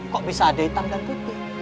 bagaimana bisa ada yang hitam dan yang putih